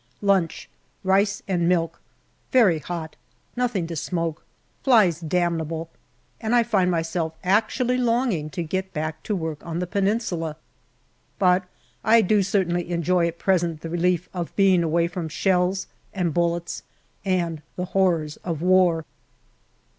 Lunch : rice and milk. Very hot ; nothing to smoke. Flies damnable, and I find myself actually longing to get back to work on the Peninsula. But I do certainly enjoy at present the relief of being away from shells and bullets and the horrors of war.